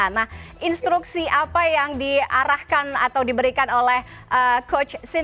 nah tentkinya perjuangan darioninghen